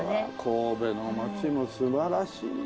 神戸の街も素晴らしいね